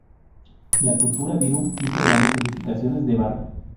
La cultura virú hizo grandes "edificaciones de barro".